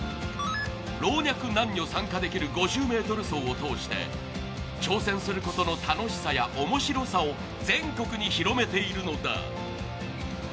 老若男女参加できる５０ｍ走を通して挑戦することの楽しさや面白さを全国に広めているのだ。